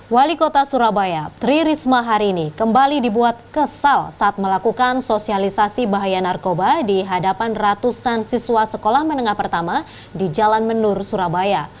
wali kota surabaya tri risma hari ini kembali dibuat kesal saat melakukan sosialisasi bahaya narkoba di hadapan ratusan siswa sekolah menengah pertama di jalan menur surabaya